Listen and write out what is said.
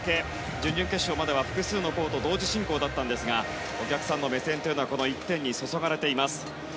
準々決勝までは複数のコートで同時進行だったんですがお客さんの目線はこの１点に注がれています。